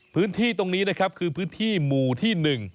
พื้นที่ตรงนี้นะครับคือพื้นที่หมู่ที่๑